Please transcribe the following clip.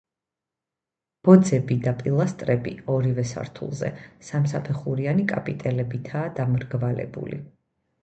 ბოძები და პილასტრები, ორივე სართულზე, სამსაფეხურიანი კაპიტელებითაა დამრგვალებული.